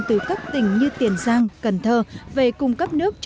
từ các tỉnh như tiền giang cần thơ về cung cấp nước cho người dân bến tre